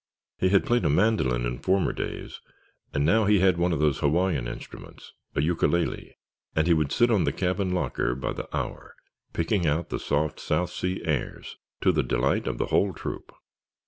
He had played a mandolin in former days and now he had one of those Hawaiian instruments—a Ukulele—and he would sit on the cabin locker by the hour picking out the soft South Sea airs, to the delight of the whole troop.